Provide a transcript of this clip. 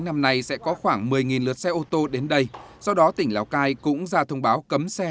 năm nay sẽ có khoảng một mươi lượt xe ô tô đến đây do đó tỉnh lào cai cũng ra thông báo cấm xe